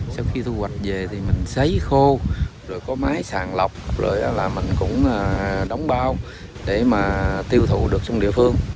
sau khi thu hoạch về thì mình xáy khô rồi có máy sàn lọc rồi mình cũng đóng bao để mà tiêu thụ được trong địa phương